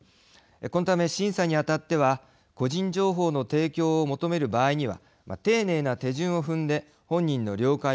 このため審査にあたっては個人情報の提供を求める場合には丁寧な手順を踏んで本人の了解を得ること。